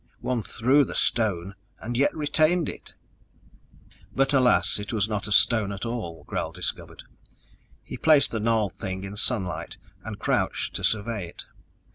One threw the stone and yet retained it! But alas, it was not a stone at all, Gral discovered. He placed the gnarled thing in sunlight and crouched to survey it.